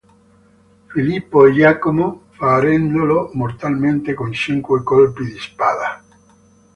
Filippo e Giacomo, ferendolo mortalmente con cinque colpi di spada.